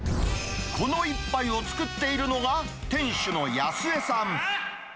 この一杯を作っているのが、店主の安江さん。